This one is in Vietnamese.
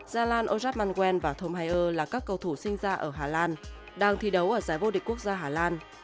zanane ojapmangwe và tomaier là các cầu thủ sinh ra ở hà lan đang thi đấu ở giải vô địch quốc gia hà lan